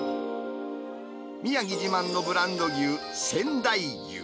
宮城自慢のブランド牛、仙台牛。